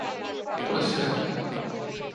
Tule syömään